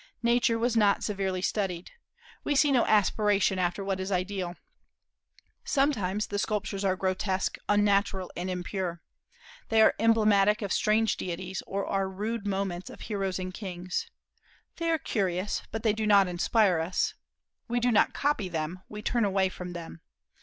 Nature was not severely studied. We see no aspiration after what is ideal. Sometimes the sculptures are grotesque, unnatural, and impure. They are emblematic of strange deities, or are rude monuments of heroes and kings. They are curious, but they do not inspire us. We do not copy them; we turn away from them.